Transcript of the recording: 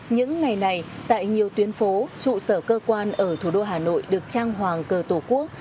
những ngày này tại nhiều tuyến phố trụ sở cơ quan ở thủ đô hà nội được trang hoàng cờ tổ quốc